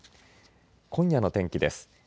今夜の天気です。